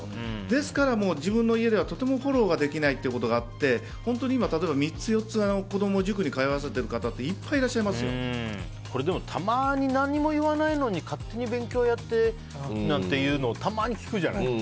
ですから、自分の家ではとてもフォローができないということがあって本当に今３つ、４つの塾に子供を通わせている方はでも、何も言わないのに勝手に勉強をやってなんていうのをたまに聞くじゃない。